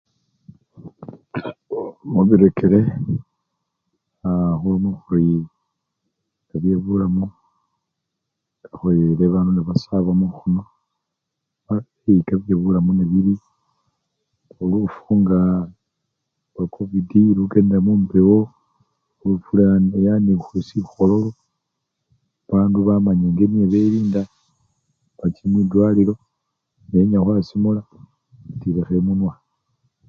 Mubirekere aa! khulome khuri byebulamu, ekhoyele bandu nebasaba mukhono mala beyika byebulamu nebili, lufu nga lwa-covidi lukendela mumbewo, lufula! yani nga sikhololo bandu bamanya nga nebelinda nebacha mwitalilo, ne-enya khwasimula, watilakho emunwa.